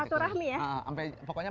mas eko visi misinya terus selama